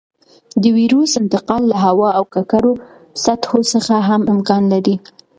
د وېروس انتقال له هوا او ککړو سطحو څخه هم امکان لري.